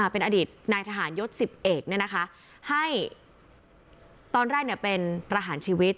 เป็นอดีตนายทหารยศ๑๑เนี่ยนะคะให้ตอนแรกเนี่ยเป็นประหารชีวิต